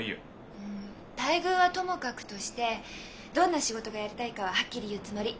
うん待遇はともかくとしてどんな仕事がやりたいかははっきり言うつもり。